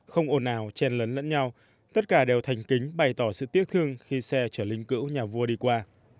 không ồn ào chen lấn lẫn nhau tất cả đều thành kính bày tỏ sự tiếc thương khi xe chở linh cữu nhà vua đi qua